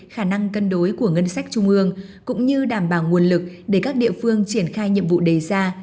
khả năng cân đối của ngân sách trung ương cũng như đảm bảo nguồn lực để các địa phương triển khai nhiệm vụ đề ra